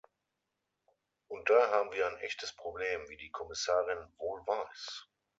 Und da haben wir ein echtes Problem, wie die Kommissarin wohl weiß.